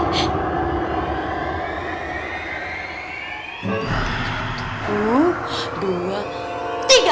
satu dua tiga